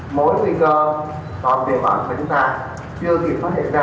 mỗi nguy cơ còn về bệnh của chúng ta chưa kịp phát hiện ra